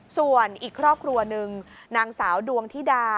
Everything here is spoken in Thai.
ส่วนอีกครอบครัวหนึ่งนางสาวดวงธิดา